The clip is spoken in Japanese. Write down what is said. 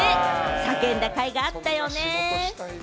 叫んだかいがあったよね。